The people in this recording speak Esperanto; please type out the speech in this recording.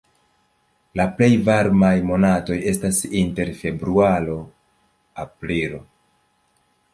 La plej varmaj monatoj estas inter februaro-aprilo.